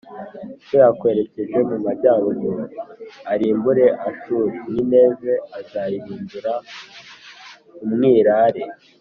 Kwe akwerekeje mu majyaruguru arimbure ashuri nineve azayihindura umwirare